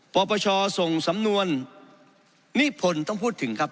ปปชส่งสำนวนนิพลต้องพูดถึงครับ